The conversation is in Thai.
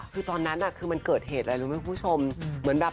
คือตอนนั้นนะมันเกิดเหตุอะไรรู้ไหมคุณผู้ชม